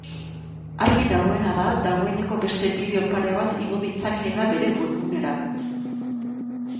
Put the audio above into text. Argi dagoena da dagoeneko beste bideo pare bat igo ditzakeela bere webgunera.